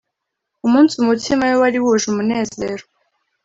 umunsi umutima we wari wuje umunezero